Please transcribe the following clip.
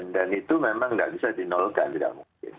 dan itu memang tidak bisa dinolkan tidak mungkin